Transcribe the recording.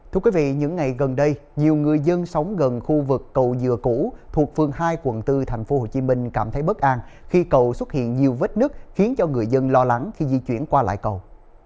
thưa quý vị những ngày gần đây nhiều người dân sống gần khu vực cầu dừa cũ thuộc phường hai quận bốn tp hcm cảm thấy bất an khi cầu xuất hiện nhiều vết nứt khiến cho người dân lo lắng khi di chuyển qua lại cầu